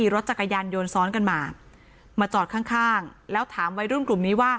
รถจักรยานยนต์ซ้อนกันมามาจอดข้างข้างแล้วถามวัยรุ่นกลุ่มนี้ว่า